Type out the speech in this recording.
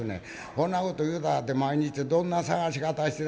「そんなこと言うたかて毎日どんな捜し方してたんね？」。